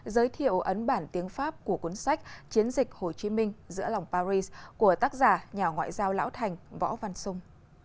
giới thiệu ấn bản tiếng pháp của cuốn sách chiến dịch hồ chí minh giữa lòng paris của tác giả nhà ngoại giao lão thành võ văn sung